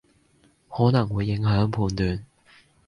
可能會影響判斷